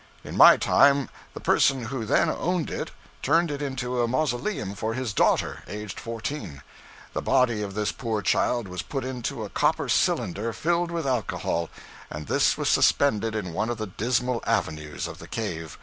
In my time the person who then owned it turned it into a mausoleum for his daughter, aged fourteen. The body of this poor child was put into a copper cylinder filled with alcohol, and this was suspended in one of the dismal avenues of the cave.